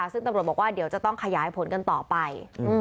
ซึ่งตำรวจบอกว่าเดี๋ยวจะต้องขยายผลกันต่อไป